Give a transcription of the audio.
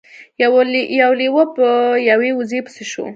یو لیوه په یوې وزې پسې شو.